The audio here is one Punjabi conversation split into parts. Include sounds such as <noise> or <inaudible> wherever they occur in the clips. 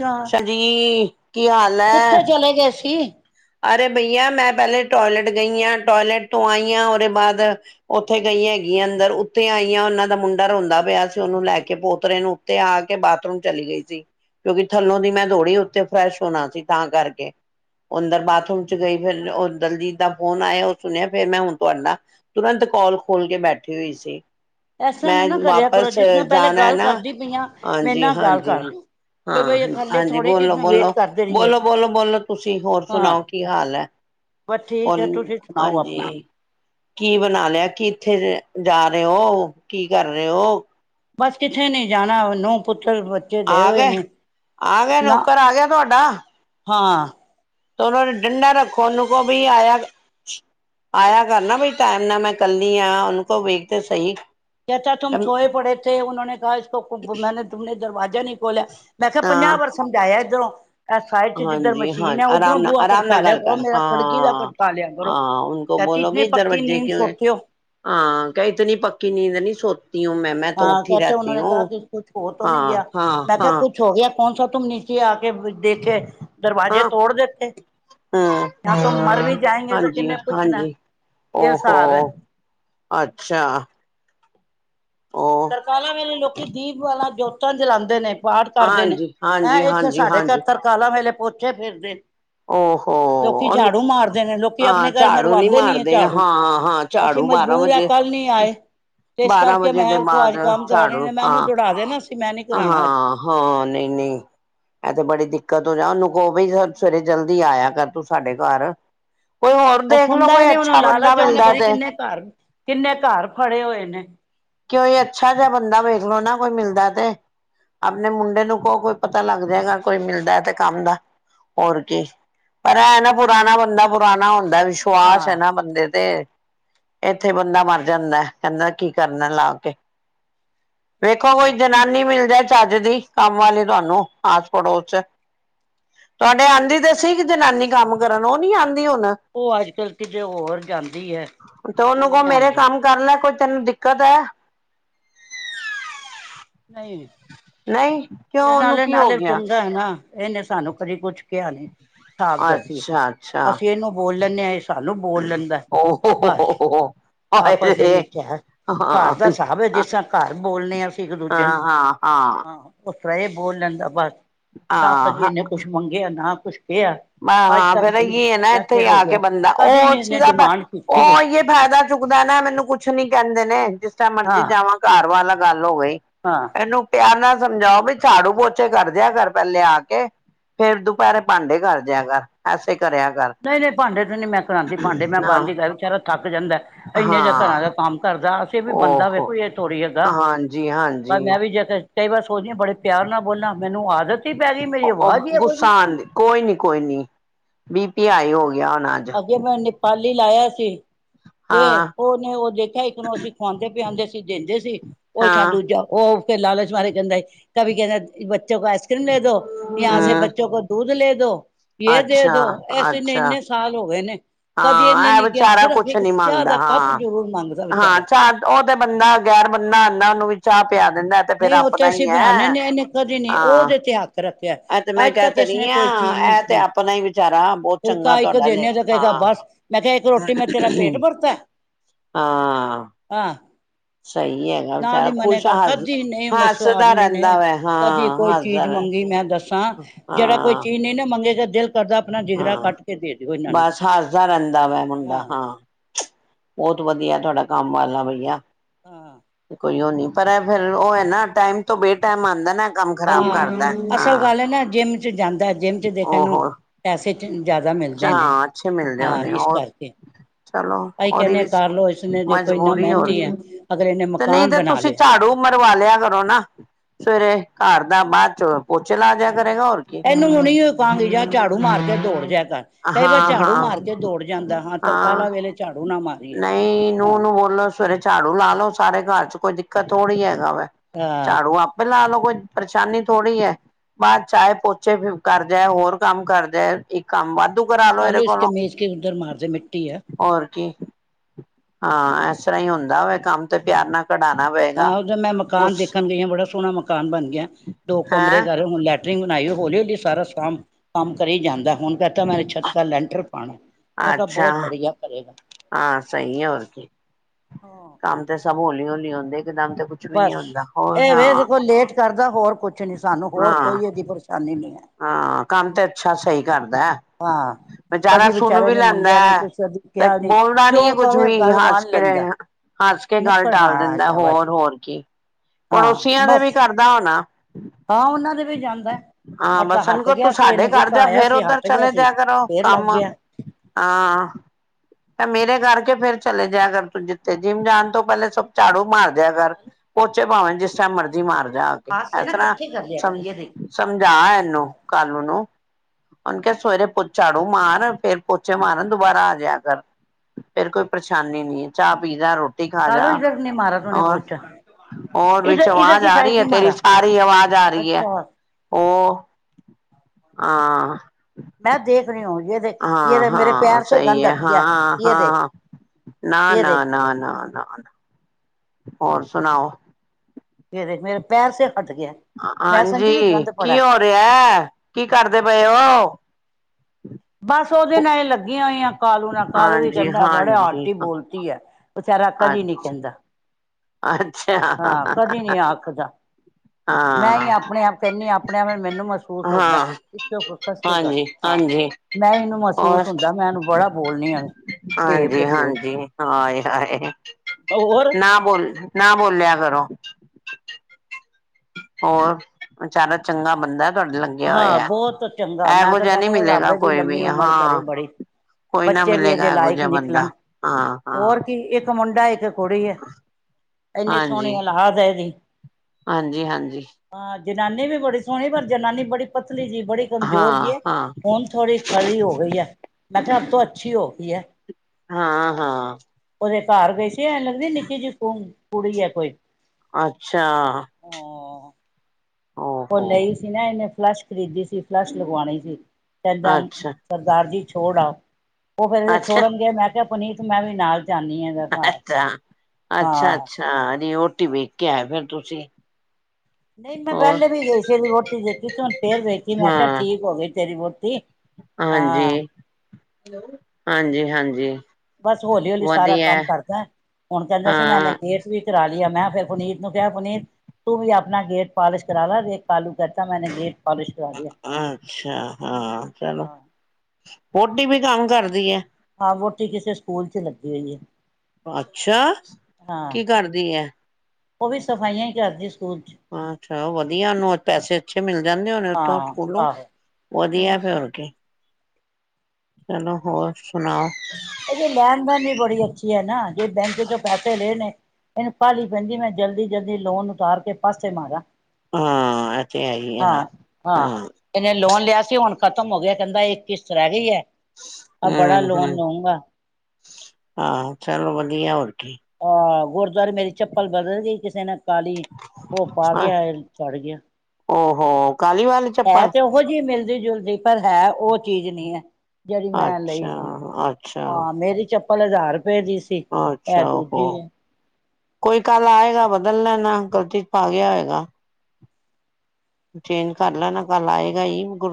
ਹਾਂ ਕਿੱਥੇ ਚਲੇ ਗਏ ਸੀ। ਅਰੇ ਬਈਆ ਮੈਂ ਪਹਿਲੇ ਟੋਇਲਟ ਗਈ ਹਾਂ, ਟੋਇਲਟ ਤੋਂ ਆਈ ਹਾਂ, ਉਹਦੇ ਬਾਅਦ ਉੱਥੇ ਗਈ ਹੈਗੀ ਆ ਅੰਦਰ ਉੱਥੇ ਆਈ ਹਾਂ ਉਹਨਾਂ ਦਾ ਮੁੰਡਾ ਰੋਂਦਾ ਪਿਆ ਸੀ, ਉਹਨੂੰ ਲੈ ਕੇ ਪੋਤਰੇ ਨੂੰ ਉੱਥੇ ਆ ਕੇ ਬਾਥਰੂਮ ਚਲੀ ਗਈ ਸੀ, ਕਿਉਂਕਿ ਥੱਲੋਂ ਦੀ ਮੈਂ ਦੌੜੀ ਉੱਥੇ ਫਰੈਸ਼ ਹੋਣਾ ਸੀ ਤਾਂ ਕਰਕੇ ਅੰਦਰ ਬਾਥਰੂਮ ਚ ਗਈ ਫਿਰ ਉਹ ਦਲਜੀਤ ਦਾ ਫੋਨ ਆਇਆ ਉਹ ਸੁਣਿਆ, ਫੇਰ ਮੈਂ ਹੁਣ ਤੁਹਾਡਾ ਤੁਰੰਤ ਕਾਲ ਖੋਲ ਕੇ ਬੈਠੀ ਹੋਈ ਸੀ। ਇਸ ਤਰ੍ਹਾਂ ਮੈਂ ਨਾ ਕਰਿਆ ਕਰੋ ਵਾਪਿਸ ਜਿਸਨੇ ਪਹਿਲੇ ਜਾਣਾ ਗੱਲ ਨਾ, ਕਰਦੀ ਪਈਆਂ ਮੇਰੇ ਹਾਂਜੀ ਨਾਲ ਗੱਲ ਕਰ ਹਾਂਜੀ, ਲਓ ਤੇ ਹਾਂ ਬਈ ਥੱਲੇ ਹਾਂਜੀ ਥੋੜੇ ਕਿ ਬੋਲੋ ਵੇਟ ਬੋਲੋ ਕਰਦੇ ਰਹੀਏ ਬੋਲੋ ਬੋਲੋ ਬੋਲੋ ਤੁਸੀਂ ਹੋਰ ਹਾਂ ਸੁਣਾਓ ਕੀ ਹਾਲ ਹੈ? ਬਸ ਠੀਕ ਹੈ ਤੁਸੀਂ ਸੁਣਾਓ ਆਪਣਾ ਹਾਂਜੀ ਕੀ ਬਣਾ ਲਿਆ ਕੀ ਇੱਥੇ? ਜਾ ਰਹੇ ਹੋ ਕੀ ਕਰ ਰਹੇ ਹੋ? ਬਸ ਕਿੱਥੇ ਨੀ ਜਾਣਾ ਨੂੰ ਪੁੱਤ ਆਗਿਆ ਨਾ ਨੌਕਰ ਆ ਗਿਆ ਤੁਹਾਡਾ? ਹਾਂ, ਤੇ ਉਹ ਨੇ ਡੰਡਾ ਰੱਖੋ, ਉਹਨੂੰ ਕਹੌ, ਆਇਆ ਕਰਨਾ ਬਈ ਟਾਈਮ ਨਾਲ ਮੈਂ ਕੱਲੀ ਆ ਉਹਨੂੰ ਕੋਲ ਵੇਖ ਕੇ ਸਹੀ ਜਦ ਤਾ ਤੁਮ ਸੋਏ ਪੜੇ ਥੇ ਉਹਨੋ ਨੇ, <unintelligible> ਮੈਂਨੇ ਤੂਮੇ, ਦਰਵਾਜ਼ਾ ਨਹੀਂ ਖੋਲਿਆ। ਮੈਂ ਕਿਹਾ, ਪੰਜਾਹ ਹਾਂ ਵਾਰ ਸਮਝਾਇਆ। <unintelligible> ਚ ਜਿੱਧਰ ਹਾਂਜੀ ਹਾਂ ਮਸ਼ੀਨ ਹੈ ਉੱਧਰੋਂ ਆਰਾਮ ਨਾਲ, ਬੂਆ ਆਰਾਮ ਖੜਕਾ ਨਾਲ ਲਿਆ ਗੱਲ ਕਰੋ ਕਰ, ਮੇਰਾ ਖਿੜਕੀ ਦਾ ਖੜਕਾ ਲਿਆ ਕਰੋ ਹਾਂ-ਹਾਂ ਉਨਕੋ ਕਹਤੀ ਬੋਲੋ ਇਤਨੀ ਬਈ ਪੱਕੀ ਦਰਵਾਜੇ ਨੀਂਦ ਕਿਉਂ ਸੋਤੇ ਹੋ ਹਾਂ ਕ ਇਤਨੀ ਪੱਕੀ ਨੀਂਦ ਨਹੀਂ ਛੋਟ ਹਾਂ ਕਚ ਉਹਨਾਂ ਨੇ ਕਿਹਾ ਕਿ ਕੁਛ ਹੋਰ ਤੋਂ ਨੀ ਗਿਆ ਮੈਂ ਕਿਹਾ ਕੁੱਛ ਹੋ ਗਿਆ। ਕੌਣਸਾ ਤੁਮ ਨੀਚੇ ਆ ਕੇ ਦੇਖੇ। ਦਰਵਾਜੇ ਤੋੜ ਦਿੱਤੇ, ਯਹਾ ਤੌ ਮਰ ਵੀ ਜਾਏਗੇ ਤਾਂ ਕਿੰਨੇ ਪੁੱਛਣਾ ਇਹ ਹਿਸਾਬ ਹੈ। ਤਰਕਾਲਾਂ ਵੇਲੇ ਲੋਕੀ ਦੀਪ ਵਾਲਾ ਜੋਤ ਤਾਂ ਜਲਾਦੇ ਨੇ ਪਾਠ ਕਰਦੇ ਨੇ ਹਾਂਜੀ ਹੈ ਐਂ ਹਾਂਜੀ ਏਥੇ ਹਾਂਜੀ ਸਾਡੇ ਘਰ ਤਰਕਾਲਾ ਵੇਲੇ ਉੱਥੇ ਫਿਰਦੇ ਔ ਹੋ ਲੋਕੀ ਉਹਨੂੰ ਝਾੜੂ ਮਾਰਦੇ ਨੇ ਲੋਕੀ ਹਾਂ ਆਪਣੇ ਘਰ ਝਾੜੂ ਨੀ ਮਰਵਾਉਂਦੇ ਹੈ ਮਾਰਦੇ ਝਾੜੂ ਹਾਂ-ਹਾਂ ਅਸੀਂ ਝਾੜੂ ਬਾਰਾਂ ਮਜਬੂਰ ਹੈ ਵਜੇ ਕੱਲ ਨਹੀਂ ਆਏ ਤੇ ਇਸ ਬਾਰਾਂ ਕਰਕੇ ਵਜੇ ਦੇ ਮੈਂ ਕੋ ਬਾਅਦ ਅੱਜ ਕੰਮ ਕਰਾਣੀ ਨੇ ਮੈਂ ਇਹਨੂੰ ਦੌੜਾ ਦੇਣਾ ਸੀ ਮੈਂ ਨੀ ਕਰਾਣਾ ਅੱਜ ਹਾਂ-ਹਾਂ ਨਈ-ਨਈ ਇਹ ਤੇ ਬੜੀ ਦਿੱਕਤ <unintelligible> ਜਾ ਉਹਨੂੰ ਕਹੋ ਬਈ ਸਵੇਰੇ ਜਲਦੀ ਆਇਆ ਕਰ ਤੂੰ ਸਾਡੇ ਘਰ ਕੋਈ ਹੋਰ ਔ ਦੇਖ ਲੋ ਸੁਣਦਾ ਈ ਕੋਈ ਨੀ ਉਹਨੂੰ ਅੱਛਾ ਬੰਦਾ ਲਾਲਚ ਓਹਨੇ ਮਿਲਦਾ ਪਤਾ ਨੀ ਤੇ ਕਿੰਨੇ ਘਰ ਕਿੰਨੇ ਘਰ ਫੜੇ ਹੋਏ ਨੇ। ਕੋਈ ਅੱਛਾ ਜਿਹਾ ਬੰਦਾ ਵੇਖ ਲੋ ਨਾ ਕੋਈ ਮਿਲਦਾ ਤੇ ਆਪਣੇ ਮੁੰਡੇ ਨੂੰ ਕੋ ਕੋਈ ਪਤਾ ਲੱਗ ਜਗ ਕੋਈ ਮਿਲਦਾ ਤੇ ਕੰਮ ਦਾ ਹੋਰ ਕੀ ਪਰ ਐ ਨਾ ਪੁਰਾਣਾ ਬੰਦਾ ਪੁਰਾਣਾ ਹੁੰਦਾ ਵੀ ਵਿਸ਼ਵਾਸ ਐ ਹਾਂ ਨਾ ਬੰਦੇ ਤੇ ਇੱਥੇ ਬੰਦਾ ਮਰ ਜਾਂਦਾ ਕਹਿੰਦਾ ਕੀ ਕਰਨਾ ਲਾ ਕੇ। ਵੇਖੋ ਕੋਈ ਜਨਾ ਮਿਲਜੇ ਚੱਜ ਦੀ ਕੰਮ ਵਾਲੀ ਤੁਹਾਨੂੰ ਆਸ ਪੜੋਸ ਚ ਤੁਹਾਡੇ ਆਦੀ ਤੇ ਸੀ ਜਨਾਨੀ ਕੰਮ ਕਰਨ ਔ ਨੀ ਆਉਂ ਉਹ ਅੱਜ ਕੱਲ੍ਹ ਕਿਤੇ ਹੋਰ ਜਾਂਦੀ ।ਐ ਤੇ ਓ ਉਹਨੂੰ ਕਹੋ ਨੀ ਮੇਰੇ ਆਂਉਦੀ। ਕੰਮ ਕਰ ਲੈ ਕੋਈ ਤੈਨੂੰ ਦਿੱਕਤ ਐ। ਨਈ-ਨਈ ਨਹੀਂ, ਕਿਉਂ ਉਹਨੂੰ ਕੀ ਹੋ ਗਿਆ? ਚੰਗਾ ਹੈ ਨਾ ਇਹਨੇ ਸਾਨੂੰ ਕਦੀ ਕੁੱਛ ਕਿਹਾ ਨੀ। ਅੱਛਾ-ਅੱਛਾ। ਲਨੇ ਆ <unintelligible> ਸਾਨੂੰ ਬੋਲ ਲੈਂਦਾ। ਬਸ, ਆਪਸ ਦੇ ਵਿੱਚ ਹੈ ਹਾਂ ।ਘਰ ਦਾ ਸਾਹਿਬ ਏ, ਜਿਸ ਤਰ ਘਰ ਬੋਲਨੇ ਆ ਹਾ-ਹਾਂ-ਹਾਂ, ਕਹੇ ਬੋਲ ਲੈਂਦਾ। ਬ ਨਾ ਕਦੇ ਇਨੇ ਕੁੱਛ ਮੰਗਿਆ ਨਾ ਕੁਛ ਕਿਹਾ ਹਾਂ- ਅੱਜ ਹਾਂ ਤੱਕ ਫੇਰ ਪਤਾ ਕਿ ਐ ਨਾ ਜਿੰਨਾ ਇੱਥੇ ਹੀ ਚਿਰ ਹੋ ਆ ਕੇ ਗਿਆ ਬੰਦਾ ਕਦੀ ਉਹ ਨੀ ਚੀਜ ਇਹਨੇ ਦਾ ਡਿਮਾਂਡ ਕੀਤੀ ਬਈ ਉਹ ਇ ਫਾਇਦਾ ਚੁੱਕਦਾ ਨਾ ਮੈਨੂੰ ਕੁੱਛ ਨੀ ਕਹਿੰਦੇ ਨੇ ਜਦ ਮਰਜ਼ੀ ਹਾਂ ਜਾਵਾਂ ਘਰ ਵ <unintelligible> ਗੱਲ ਹੋ ਗਈ। ਹਾਂ ਇਹਨੂੰ ਪਿਆਰ ਨਾਲ ਸਮਝਾਓ ਵੀ ਝਾੜੂ- ਪੋਚੇ ਕਰਦਿਆ ਘਰ ਪਹਿਲੇ ਆ ਕੇ ਫੇਰ ਦੁਪਹਿਰੇ ਭਾਂਡੇ ਕਰ ਦਿਆਂਗਾ ।ਐਸੇ ਕਰਿਆ ਕਰ ਨਹੀਂ, ਨਹੀਂ ਭਾਂਡੇ ਤੇ ਨੀ ਮੈਂ ਕਰਾਉਂਦੀ ਭਾਂਡੇ ਮੈਂ ਨਾ ਬੰਦ ਗ ਵਿਚਾਰਾ ਥੱਕ ਜਾਂਦਾ। ਇੰਨੇ ਜਿ ਹਾਂ ਘਰਾਂ ਦਾ ਕੰਮ ਕਰਦਾ ਅਸੀਂ ਵੀ ਬੰਦਾ ਓਹੋ ਵੇਖੋ ਇਹ ਥੋੜੀ ਹੈਗਾ। ਹਾਂਜੀ ਪਰ ਹਾਂਜੀ ਮੈਂ ਵੀ ਜੇ ਤੇ ਕਈ ਵਾਰ ਸੋਚਦੇ ਬੜੇ ਪਿਆਰ ਨਾਲ ਬੋਲਾਂ ਮੈਨੂੰ ਆਦਤ ਹੀ ਪੈ ਗਈ ਮੇਰੀ ਓ ਆਵਾਜ਼ ਹੀ ਇਹੋ ਜਿਹੀ ਗੁੱਸਾ ਨ ਕੋਈ ਨੀ ਕੋਈ ਨੀ ਵੀ ਪੈ ਆਏ ਹੋ ਨ ਅੱਗੇ ਮੈਂ ਨੇਪਾਲੀ ਲਾਇਆ ਸੀ। ਤੇ ਹਾਂ ਉਹਨੇ ਉਹ ਦੇਖਿਆ ਇੱਕ ਨੂੰ ਅਸੀਂ ਖਵਾਂਦੇ ਪਿਆਂਦੇ ਸੀ, ਦਿੰਦੇ ਸੀ। ਓਦੀ ਥਾਂ ਹਾਂ ਦੂਜਾ ਉਹ ਕੇ ਲਾਲਚ ਮਾਰੇ ਕਹਿੰਦਾ। ਇਹ ਬੱਚੇ ਕੋ ਆਈਸ ਕਰ੍ਰੀਮ ਲੈ ਦੋ ਯਾ ਸ ਹਮ ਬੱਚੋ ਕੋ ਦੂਧ ਲੈ ਲੈਦੋ। ਯੇ ਦੇ ਅੱਛਾ ਦੋ ।ਐਸੇ ਅੱਛਾ ਇੰਨੇ ਪਾਗਲ ਹੋ ਗਏ ਨੇ ਹਾਂ, ਇਹ ਵਿਚਾਰਾ ਕੁਛ ਨੀ ਚਾਹ ਮੰਗਦਾ। ਦਾ ਕੱਪ ਹਾਂ, ਜ਼ਰੂਰ ਮੰਗਦਾ ਹਾਂ ਵਿਚਾਰਾ ਚਾਰ ਉਹ ਤੇ ਬੰਦਾ ਗੈਰ ਬੰਦਾ ਆਉਂਦਾ। ਉਹਨੂੰ ਵੀ ਚਾਹ ਪਿਆ ਦਿੰਦਾ ਤੇ ਫੇਰ ਨਹੀਂ, ਉਹ ਤੇ ਆਪਣਾ ਹੀ ਅਸੀਂ ਹੈ ਬਣਾਉਦੇ ਹੁੰਦੇ ਇਨੇ ਕਦੇ ਨਹੀਂ ਉਹਦੇ ਤੇ ਹੱਦ ਆਹ ਤੇ ਮੈਂ ਕਹਿ ਤਾਂ ਰਹੀ ਹਾਂ ਨਹੀਂ ਇਹ ਤੇ ਖੀ। ਆਪਣਾ ਹੀ ਵਿਚਾਰਾ ਬਹੁਤ ਚੰਗਾ ਫੁਲਕਾ ਇੱਕ ਤੁਹਾਡਾ ਤੇ ਦਿੰਦੇ ਤਾਂ ਕਹੇਗਾ ਹਾਂ, ਬਸ ਮੈਂ ਕਿਹਾ ਇੱਕ ਰੋਟੀ ਮੈਂ ਤੇਰਾ ਪੇਟ ਭਰਤਾ ਹਾਂ ਹਾਂ ਸਹੀ ਹੈਗਾ ਨਾਲ ਹੀ ਵਿਚਾਰਾ ਖੁਸ਼ ਮਨੇਗਾ ਆ ਕਦੀ ਨਹੀਂ ਏਸ ਆਦਮੀ ਨੇ ਕਦੀ ਹਾਂ ਕੋਈ ਹੱਸਦਾ ਚੀਜ਼ ਮੰਗੀ ਮੈਂ ਦੱਸ ਹਾਂ ਜਿਹੜਾ ਕੋਈ ਹਾਂ ਚੀਜ਼ ਨਹੀਂ ਨਾ ਮੰਗੇਗਾ ਦਿਲ ਕਰਦਾ ਆਪਣਾ ਜਿਗਰਾ ਹਾਂ ਕੱਟ ਕੇ ਦੇ ਦਿਓ ਇਹਨਾਂ ਨੂੰ ਬਸ ਹੱਸਦਾ ਰਹਿੰਦਾ ਵੈਂ ਮੁੰਡਾ ਹਾਂ, ਬਹੁਤ ਵਧੀਆ ਤੁਹਾਡਾ ਕੰਮ ਵਾਲਾ ਬਈਆ ਹਾਂ ਤੇ ਕੋਈ ਉਹ ਨਹੀਂ ਪਰ ਐ ਫੇਰ ਉਹ ਹੈ ਨਾ ਟਾਈਮ ਤੋਂ ਬੇ ਟਾਈਮ ਆਂਦਾ। ਆਹ ਅਸਲ ਗੱਲ ਹੈ ਨਾ ਜਿੰਮ ਚ ਜਾਂਦਾ। ਜਿੰਮ ਚ ਬੇਟੇ ਨੂੰ ਉਹੋ ਪੈਸੇ <inaudible> ਮਿਲਦੇ ਨੇ ਹਾਂ ਅੱਛੇ ਮਿਲਦੇ ਹਾਂ ਹੋਣੇ ਇਸ ਉਹ ਕਰਕੇ ਚਲੋ ਅਸੀਂ ਉਹਦੀ ਕਹਿੰਦੇ ਵੀ ਕਰ ਲਓ ਇਸਨੇ ਦੇਖੋ ਇੰਨਾ ਮਜਬੂਰੀ ਹੋਰ ਮਿਹਨਤੀ ਹੈ ਕੀ, ਅਗਰ ਇਹਨੇ ਤੇ ਨਹੀਂ ਮਕਾਨ ਤੇ ਬਣਾ ਤੁਸੀਂ ਲਿਆ ਝਾੜੂ ਮਰਵਾ ਲਿਆ ਕਰੋ ਨਾ ਸਵੇਰੇ ਘਰ ਦਾ ਬਾਅਦ ਚੋਂ ਇਹਨੂੰ ਹੁਣ ਇਹੋ ਕਹਾਂਗੀ ਜਾ ਝਾੜੂ ਮਾਰ ਕੇ ਜਾ ਦੌੜ ਜਾ ਕਈ ਵਾਰ ਹਾਂ ਝਾੜੂ ਹਾਂ ਮਾਰ ਕੇ ਦੌੜ ਜਾਂਦਾ ਹਾਂ ਤਰਕਾਲਾ ਵੇਲੇ ਝਾੜੂ ਨਾ ਮਾਰੀਏ ਨਹੀਂ ਨੂੰਹ ਹਾਂ ਨੂੰ ਬੋਲੋ ਸਵੇਰੇ ਝਾੜੂ ਲਾ ਲੋੋ ਸਾਰੇ ਘਰ ਚ ਕੋਈ ਕ ਤੋੜੀ ਐ। ਹਾਂ ਝਾੜੂ ਆਪੇ ਲਾ ਲਓ। ਕੋਈ ਪਰੇਸ਼ਾਨੀ ਥੋੜੀ ਐ ਬਾਅਦ ਚਾਹੇ ਪੋਚੇ ਕਰ ਜਾ ਹੋਰ ਕੰਮ ਕਰ ਜਾ ਇੱਕ ਕੰਮ ਵਾਧੂ ਕਰਾ ਲੋ ਕੱਲ ਇਹਦੇ ਇਸ ਕੇ ਕੋਲੋਂ ਮੇਜ਼ ਕੇ ਉੱਧਰ ਮਾਰਦੇ ਮਿੱਟੀ ਐ ਹੋਰ ਕੀ ਹਾਂ ਇਸ ਤਰ੍ਹਾਂ ਹੀ ਹੁੰਦਾ ਵਾ ਕੰਮ ਤੇ ਪਿਆਰ ਨਾਲ ਕਢਾਣਾ ਪਏਗਾ ਹਾਂ ਉਧਰ ਮੈਂ ਮਕਾਨ ਕੁਛ ਦੇਖਣ ਗਈ ਹਾਂ, ਬੜਾ ਸੋਹਣਾ ਮਕਾਨ ਬਣ ਗਿਆ ਦੋ ਕਮਰੇ ਹੈਂ ਕਰ ਹੁਣ ਲੈਟਰਿੰਨ ਬਣਾਈ ਹੋਈ ਹੌਲੀ- ਹੌਲੀ ਸਾਰਾ ਸਵਾਮ ਕੰਮ ਕਰੀ ਜਾਂਦਾ ਹੁਣ ਕਹਿਤਾ ਮੈਂਨੇ ਛਤ ਕਾ ਲੈਂਟਰ ਪਾਣਾ ਮੈਂ ਕਿਹਾ ਅੱਛਾ ਬਹੁਤ ਵਡੀਆ ਕਰੇਗਾ। ਹਾਂ ਸਹੀ ਹੈ ਹੋਰ ਕੀ ਦਮ ਤੇ ਕੁਛ ਵੀ ਨਹੀਂ ਬਸ ਹੁੰਦਾ, ਹੋਰ ਇਹ ਵੇ ਹਾਂ ਦੇਖੋ ਲੇਟ ਕਰਦਾ ਹੋਰ ਕੁਛ ਨੀ ਸਾਨੂੰ ਹੋਰ ਹਾਂ ਕੋਈ ਇਹਦੀ ਪਰੇਸ਼ਾਨੀ ਨਹੀਂ। ਹੈ ਹਾਂ ਕੰਮ ਤੇ ਅੱਛਾ ਸਹੀ ਕਰਦਾ ਹਾਂ ਵਿਚਾਰਾ ਕਦੀ ਸੁਣ ਵਿਚਾਰੇ ਵੀ ਨੇ ਲੈਂਦਾ ਮੰਗਿਆ ਨੀ ਕੁਛ ਕਦੀ ਤੇ ਕਿਹਾ ਨੀ ਬੋਲਦਾ ਜੋ ਨੀ ਹੈ ਕੁੱਛ ਕਵੇ ਵੀ ਗੱਲ ਹੱਸ ਮੰਨ ਲੈਂਦਾ ਕੇ- ਹੱਸ ਕੇ ਗੱਲ ਨੁੱਕੜ ਟਾਲ ਹਾਂ ਦਿੰਦਾ, ਹੋਰ ਸ਼ਾਬਾਸ਼ ਹੋਰ ਹੋਰ ਕੀ, ਹਾਂ ਪੜੋਸੀਆਂ ਦੇ ਵੀ ਬਸ ਕਰਦਾ ਹੋਣਾ। ਹਾਂ ਉਹਨਾਂ ਦੇ ਵੀ ਜਾਂਦਾ ਹੈ। ਹਾਂ ਅੱਛਾ ਬਸਨ ਹਟ ਕੋ ਤੂੰ ਗਿਆ ਸੀ ਸਾਡੇ ਇਹਨੂੰ ਘਰ ਗੁੱਸਾ ਜਾ, ਆਇਆ ਫੇਰ ਸੀ ਉਧਰ ਹਟ ਗਿਆ ਚਲੇ ਸੀ ਜਾਏ ਕਰੋ ਫੇਰ ਲੱਗ ਕੰਮ ਗਿਆ। ਹਾਂ। ਤਾਂ ਮੇਰੇ ਕਰਕੇ ਫੇਰ ਚਲੇ ਜਾ ਕਰ, ਤੂੰ ਜਿੱਥੇ ਜਿਮ ਜਾਣ ਤੋਂ ਪਹਿਲੇ ਸਭ ਝਾੜੂ ਮਾਰ ਕਰ ਪੋਚੇ ਭਾਵੇਂ ਜਿਸ ਟਾਈਮ ਮਰਜ਼ੀ ਮਾਰ ਜਾ ਆ ਕੇ, ਇਸ ਤਰ੍ਹਾਂ ਸਮ ਸਮਝਾ ਇਹਨੂੰ ਕਾਲੂ ਨੂੰ। ਉਹਨੂੰ ਕਿਹ, ਸਵੇਰੇ ਝਾੜੂ ਮਾਰ ਫੇਰ ਪੋਛੇ ਮਾਰਨ ਦੁਬਾਰਾ ਆ ਜਾਇਆ ਕਰ। ਫਿਰ ਕੋਈ ਪਰੇਸ਼ਾਨੀ ਨਹੀਂ,, ਚਾਹ ਪੀ ਜਾ, ਰੋਟੀ ਰੋਟੀ ਖਾ ਜਾ, ਹੋਰ, ਹੋਰ ਵਿੱਚ ਆਵਾਜ਼ ਆ ਰਹੀ ਹੈ ਤੇਰੀ ਸਾਰੀ ਅਵਾਜ਼ ਆ ਰਹੀ ਹੈ । ਹਾਂ। ਮੈਂ ਦੇਖ ਰਹੀ ਹੂੰ। ਹਾਂ-ਹਾਂ ਸਹੀ ਹੈ। ਹਾਂ- ਹਾਂ। ਨਾ-ਨਾ, ਨਾ-ਨਾ, ਨਾ ਹੋਰ ਸੁਣਾਓ। <unintelligible> ਮੈਂ ਸਮਝੀ ਸੀ ਹਾਂਜੀ, ਗੰਦ ਕੀ ਪੜਾ ਹੋ ਰਿਹਾ? ਕੀ ਕਰਦੇ ਪਏ ਉ? ਸੋ ਉਹਦੇ ਨਾਲ ਲੱਗ ਹੋਈ ਆਂ, ਕਾਲੂ ਨਾਲ, ਕਾਲੂ ਵੀ ਹਾਂਜੀ ਕਹਿੰਦਾ ਬੜੇ ਹਾਂਜੀ ਆਂਟੀ ਬੋਲਤੀ ਏ। ਬਚਾਰਾ, ਅੱ ਕਦੀ ਨੀ ਕਹਿੰਦਾ। ਅੱਛਾ, ਹਾਂ ਹਹਹਹ ਕਦੀ ਨੀ ਆਖਦਾ ਮੈਂ ਈ ਆਪਣੇ ਆਪ ਕਹਿੰਨੀ, ਆਪਣੇ ਆਪ ਮੈਨੂੰ ਮਹਿਸੂਸ ਹੁੰਦਾ, ਹਾਂ ਇਸ ਹਾਂਜੀ ਹਾਂ ਹਾਂਜੀ ਮੈਂ ਇਹਨੂੰ ਹੋਰ ਮਹਿਸੂਸ ਹੁੰਦਾ, ਮੈਂ ਇਹਨੂੰ ਬੜਾ ਬੋਲਣੀ ਆ ਹਾਂਜੀ ਬੇਫਜੂਲ, ਹਾਂਜੀ ਹਾਏ ਹਾਏ ਹੋਰ ਨਾ ਬੋਲ ਨਾ ਬੋਲਿਆ ਕਰੋ। ਹੋਰ ਵਿਚਾਰਾ, ਚੰਗਾ ਬੰਦਾ ਤੁਹਾਡੇ ਲੱਗਿਆ ਹਾਂ ਹੋਇਆ ਬਹੁਤ ਚੰਗਾ, ਮੈਂ ਇਹੋ ਤਾਂ ਜਿਹਾ ਨਹੀਂ ਕਹਿੰਦੀ ਆ ਰੱਬ ਮਿਲੇਗਾ ਏਦੀ ਕੋਈ ਲੰਮੀ ਵੀ ਉਮਰ ਕਰੇ ਹਾਂ ਬੜੀ ਕੋਈ ਨਾ ਬੱਚੇ ਵੀ ਇਹਦੇ ਮਿਲੇਗਾ, ਇਹੋ ਲਾਇਕ ਜਿਹਾ ਬੰਦਾ, ਨਿਕਲਣ ਹਾਂ-ਹਾਂ। ਹੋਰ ਕੀ ਇੱਕ ਮੁੰਡਾ ਇੱਕ ਕੁੜੀ ਹੈ, ਇੰਨੀ ਹਾਂਜੀ ਸੋਹਣੀ ਔਲਾਦ ਐ ਇਹਦੀ ਹਾਂਜੀ ਹਾਂਜੀ ਹਾਂ, ਜਨਾਨੀ ਵੀ ਬੜੀ ਸੋਹਣੀ, ਪਰ ਜਨਾਨੀ ਬੜੀ ਪ ਲੀ ਜੀ ਬੜੀ ਕਮਜ਼ੋਰ ਜੀ ਹਾਂ ਏ, ਹਾਂ ਹੁਣ ਥੋੜੀ ਖਰੀ ਹੋ ਗਈ ਹੈ। ਮੈਂ ਕਿਹਾ, ਅਭ ਤੋਂ ਅੱਛੀ ਹੋ ਗਈ ਹੈ। ਹਾਂ -ਹਾਂ। ਉਹਦੇ ਘਰ ਗਏ ਸੀ। ਤੇ ਐ ਲੱਗਦੇ ਨਿੱਕੇ ਜਿ <unintelligible> ਕੁੜੀ ਹੈ ਕੋਈ। ਅੱਛਾ। ਉਹ ਓਹੋ ਲਈ ਸੀ ਨਾ, ਇਹਨੇ ਫਲੱਸ਼ ਖਰੀਦੀ ਸੀ, ਫਲੱਸ਼ ਲਗਵਾਉਣੀ ਸੀ। <unintelligible> ਸਰਦਾ, ਅੱਛਾ ਸਰਦਾਰ ਜੀ <unintelligible> ਉਹ ਫੇਰ ਇਹਦੇ ਅੱਛਾ ਛੋੜਣਗੇ ਮੈਂ ਪਨੀਤ ਮੈਂ ਵੀ ਨਾਲ ਜਾਣੀ ਆ ਗਾ ਘਰ, ਹਾਂ ਅੱਛਾ-ਅੱਛਾ, ਟੀ ਵੇਖ ਕੇ ਆਇਆ ਫਿਰ, ਤੁਸੀਂ, ਨਹੀਂ ਮੈਂ ਹੋਰ ਪਹਿਲੇ ਵੀ ਗਈ ਸੀ ਇਹਦੀ ਵਹੁਟੀ ਦੇਖੀ ਸੀ ਹੁਣ ਫੇਰ ਵੇਖੀ ਮੈਂ ਕਿਹਾ ਹਾਂ ਠੀਕ ਹੋ ਗਈ। ਤੇਰੀ ਵੋਟੀ, ਹਾਂਜੀ, ਹਾਂਜੀ-ਹਾਂਜੀ, ਬਸ ਹੌਲੀ-ਹੌਲੀ ਸਾਰਾ ਕੰਮ ਕਰਦਾ ਹੁਣ ਕਹਿੰਦਾ ਸੀ ਮੈਂਨੇ ਹਾਂ ਗੇਟ ਵੀ ਕਰਾ ਲ ਮੈਂ ਫਿਰ ਪੁਨੀਤ ਨੂੰ ਕਿਹਾ ਪੁਨੀਤ ਤੂੰ ਵੀ ਆਪਣਾ ਗੇਟ ਪਾਲਿਸ਼ ਕਰਾ ਲਾ ਦੇਖ ਕਾਲੂ ਕੈਤਾ ਮੈਂਨੇ ਗੇਟ ਪਾਲਿਸ਼ ਕਰਾ ਲਿਆ ਅੱਛਾ, ਹਾਂ ਚਲੋ ਹਾਂ ਵੋਟੀ ਵੀ <unintelligible> ਵੋਟੀ ਕਿਸੇ ਸਕੂਲ ਚ ਲੱਗੀ ਹੋਈ ਏ? ਅੱਛਾ, ਕੀ ਕਰਦੀ ਐ? ਉਹ ਵੀ ਸਫਾਈਆਂ ਹੀ ਕਰਦੀ, ਸਕੂਲ ਚ ਅੱਛਾ, ਉਹ ਵਧੀਆ ਉਹਨੂੰ ਪੈਸੇ ਅੱਛੇ ਮਿਲ ਜਾਂਦੇ ਹੋਣੇ ਹਾਂ ਉੱਥੋਂ ਸਕੂਲੋਂ? ਆਹੋ ਵਧੀਆ ਫੇਰ ਹੋਰ ਕੀ, ਚੱਲੋ ਹੋਰ ਸੁਣਾਓ? ਇਹਦੀ ਲੈਣ ਦੇਣ ਵੀ ਬੜੀ ਅੱਛੀ ਹੈ ਨਾ ਜੇ ਬੈਂਕ ਚੋਂ ਪੈਸੇ ਲਏ ਨੇ ਇਹਨੂੰ ਕਾਹਲੀ ਪੈਂਦੀ ਮੈਂ ਜਲਦੀ ਜਲਦੀ ਲੋਨ ਉਤਾਰ ਕੇ ਪਾਸੇ ਮਾਰਾ ਹਾਂ ਇਹ ਤੇ ਹੈ ਹੀ ਹੈ ਨਾ ਹਾਂ, ਇਹਨੇ ਲੋਨ ਲਿਆ ਸੀ ਹੁਣ ਖ਼ਤਮ ਹੋ ਗਿਆ ਕਹਿੰਦਾ ਇਕ ਕਿਸ਼ਤ ਰਹਿ ਗਈ ਹੈ। ਆ ਬੜਾ ਹਮ ਲੋਨ ਹਮ ਲਊਂਗਾ। ਹਾਂ ਚਲੋ ਵਧੀਆ ਹੋਰ, <unintelligible> ਅ ਗੁਰਦੁਆਰੇ ਮੇਰੀ ਚੱਪਲ ਬਦਲ ਗਈ ਕਿਸੇ ਨਾਲ ਕਾਹਲੀ ਉਹ ਪਾ ਗਿਆ ਚੜ ਗਿਆ। ਔਹੋ, ਹੈ ਤੇ ਉਹੋ ਜਿਹੀ ਮਿਲਦ ਮਲਦੀ ਜੁਲਦੀ ਪਰ ਹੈ ਉਹ ਚੀਜ਼ ਨਹੀਂ ਹੈ। ਜਿਹੜੀ ਮੈਂ ਲਈ ਅੱਛਾ ਸੀ ਅੱਛਾ ਆਹ ਮੇਰੀ ਚੱ ਦੀ ਸੀ ਅੱਛਾ ਇਹ ਓਹੋ ਦੂਜੀ ਏ ਕੋਈ ਕੱਲ ਆਏਗਾ ਬਦਲ ਗ਼ਲਤੀ ਚ ਪਾ ਗਿਆ ਹੋਏਗਾ ਚੇਂਜ ਕਰ ਲੈਣਾ ਕੱਲ ਆਏ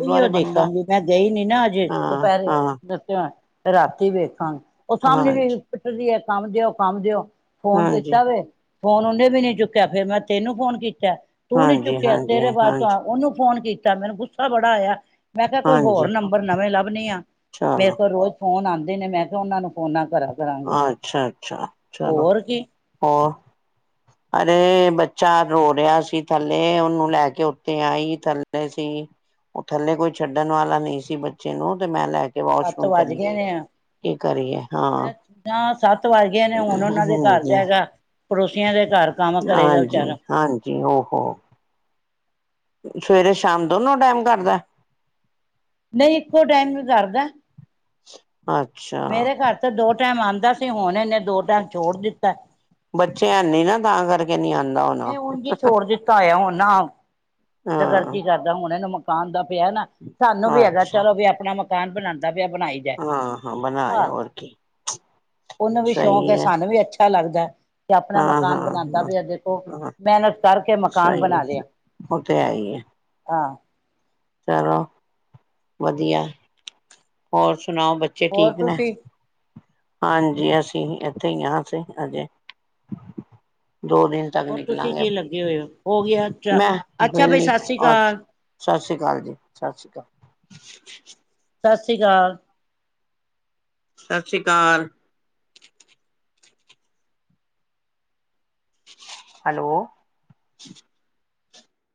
ਓਹੀਓਂ ਦੇਖਾਂਗੀ ਮੈਂ ਗਈ ਨੀ ਨਾ ਅੱਜ ਹਾਂ ਦੁਪਹਿਰੇ ਹਾਂ ਦੱਸਿਆ ਰਾਤੀ ਵੇਖਾਂਗੇ ਉਹ ਸਾਹਮਣੇ ਵੀ ਹਾਂਜੀ ਪਿਠਦੀ ਹੈ ਕੰਮ ਦਿਓ ਕੰਮ ਦਿਓ ਫੋਨ ਹਾਂਜੀ ਕੀਤਾ ਵੇ ਫੋਨ ਉਹਨੇ ਵੀ ਨੀ ਚੁੱਕਿਆ ਫਿਰ ਮੈਂ ਤੈਨੂੰ ਫੋਨ ਕੀ ਤੂੰ ਨੀ ਹਾਂਜੀ ਚੁੱਕਿਆ ਹਾਂਜੀ ਤੇਰੇ ਬਾਅਦ ਹਾਂਜੀ ਤਾਂ ਉਹਨੂੰ ਫੋਨ ਕੀਤਾ ਮੈਨੂੰ ਗੁੱਸਾ ਬੜਾ ਆਇਆ ਮੈਂ ਕਿਹਾ ਕੋਈ ਹਾਂਜੀ ਹੋਰ ਨੰਬਰ ਨਵੇਂ ਲੱਭਣੀ ਆ ਚਲੋ ਮੇਰੇ ਕੋਲ ਰੋਜ਼ ਫੋਨ ਆਉਂਦੇ ਨੇ ਮੈਂ ਕਿਹਾ ਉਹਨਾਂ ਨੂੰ ਫੋਨਾ ਕਰਾ ਕਰਾਂਗੀ ਅੱਛਾ - ਅੱਛਾ ਚਲੋ ਹੋਰ ਕੀ ਹੋਰ ਅਰੇ ਬੱਚਾ ਰੋ ਰਿਹਾ ਸੀ ਥੱਲੇ ਉਹਨੂੰ ਲੈ ਕੇ ਉੱਤੇ ਆਈ ਥੱਲੇ ਸੀ ਉਹ ਥੱਲੇ ਕੋਈ ਛੱਡਣ ਵਾਲਾ ਨਹੀਂ ਸੀ ਬੱਚੇ ਨੂੰ ਤੇ ਮੈਂ ਲੈ ਸੱਤ ਵਾਸ਼ਰੂਮ ਵੱਜ ਚਲੀ ਗਏ ਗਈ ਕੀ ਕਰੀਏ ਹਾਂ ਨਾ ਸੱਤ ਵੱਜ ਗਏ ਨੇ ਹੁਣ ਉਹਨਾਂ ਦੇ ਘਰ ਹਾਂਜੀ ਜਾਏਗਾ ਪੜੋਸੀਆਂ ਦੇ ਘਰ ਕੰਮ ਕਰੇਗਾ ਹਾਂਜੀ ਵਿਚਾਰਾ, ਹਾਂਜੀ ਓਹੋ ਸਵੇਰੇ ਸ਼ਾਮ ਦੋਨੋ ਟਾਈਮ ਕਰਦਾ। ਨਹੀਂ ਇੱਕੋ ਟਾਈਮ ਵੀ ਕਰਦਾ ਅੱਛਾ! ਮੇਰੇ ਘਰ ਤਾਂ ਦੋ ਟਾਈਮ ਆਉਂਦਾ ਸੀ ਹੋਣੇ, ਬੱਚੇ ਹੈ ਨੀ ਨਾ ਤਾਂ ਕਰਕੇ। ਨਹੀਂ ਆਉਂਦਾ ਹੋਣਾ ਨਹੀਂ ਹੁਣ ਜੀ ਛੋੜ ਦਿੱਤਾ ਆਇਆ ਹੁਣ ਨਾ ਦਗਰਜੀ ਹਾਂ ਕਰਦਾ ਹੁਣ ਇਹਨੂੰ ਪਾਣ ਦਾ ਪਿਆ ਨਾ ਸਾਨੂੰ ਵੀ ਹੈਗਾ ਅੱਛਾ ਚਲੋ, ਵੀ ਆਪਣਾ ਮਕਾਨ ਬਣਾਉਂਦਾ ਪਿਆ ਬਣਾਈ ਜਾਏ। ਹਾਂ ਹਾਂ ਬਣਾਏ ਆਹ ਹੋਰ ਕੀ ਉਹਨੂੰ ਵੀ ਸ਼ੌਕ ਹੈ ਸਾਨੂੰ ਵੀ ਅੱਛਾ, ਅੱਛਾ! ਲੱਗਦਾ ਤੇ ਆਪਣਾ ਹਾਂ ਮਕਾਨ ਹਾਂ ਬਣਾਉਦਾ ਪਿਆ ਦੇਖੋ ਹਾਂ ਹਾਂ ਮਿਹਨਤ ਕਰਕੇ ਮਕਾਨ ਸਹੀ ਬਣਾ ਲਿਆ। ਹੈ, ਉਹ ਤੇ ਹੈ ਹੀ ਏ ਹਾਂ। ਚਲੋ ਵਧੀਆ। ਹੋਰ। ਸੁਣਾਓ ਬੱਚੇ ਹੋਰ ਠੀਕ ਨੇ, ਤੁਸੀਂ ਹਾਂਜੀ ਅਸੀਂ ਇੱਥੇ ਹੀ ਆ ਸੀ, ਅਜੇ ਦੋ ਦਿਨ ਤੱਕ ਹੋਰ ਤੁਸੀਂ ਨਿਕਲਾਂਗੇ ਕੀ ਲੱਗੇ ਹੋਏ ਹੋ -ਹੋ ਗਿਆ ਅੱਛਾ ਮੈਂ ਅੱਛਾ ਬਈ ਵਿਹਲੀ ਸਤਿ ਸ੍ਰੀ ਅੱਜ ਅਕਾਲ ਸਤਿ ਸ੍ਰੀ ਅਕਾਲ ਜੀ ਸਤਿ ਸ਼੍ਰੀ ਅਕਾਲ ਸਤਿ ਸ਼੍ਰੀ ਅਕਾਲ। ਸਤਿ ਸ੍ਰੀ ਅਕਾਲ ਹੈਲੋ?